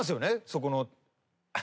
そこの。